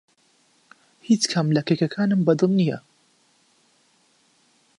هیچ کام لە کێکەکانم بەدڵ نییە.